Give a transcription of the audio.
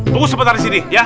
tunggu sebentar di sini ya